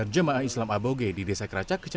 jemaah islam aboge